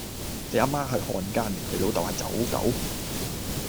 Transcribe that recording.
你阿媽係漢奸，你老竇係走狗